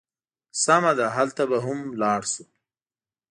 سمه ده، هلته به هم ولاړ شو.